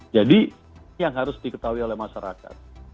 jadi yang harus diketahui oleh masyarakat